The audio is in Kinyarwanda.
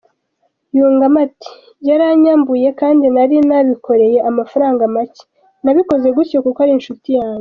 Yungamo ati “Yaranyambuye kandi nari nabikoreye amafaranga make, nabikoze gutyo kuko ari inshuti yanjye.